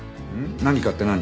何かって何？